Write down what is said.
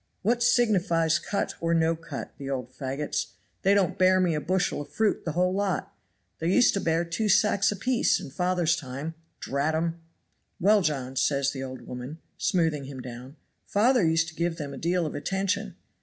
'What signifies cut or no cut; the old faggots they don't bear me a bushel of fruit the whole lot. They used to bear two sacks apiece in father's time. Drat 'em.' "'Well, John,' says the old woman, smoothing him down; 'father used to give them a deal of attention.'